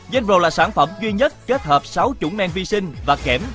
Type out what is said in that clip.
genro là sản phẩm duy nhất kết hợp sáu chủng men vi sinh và kẻm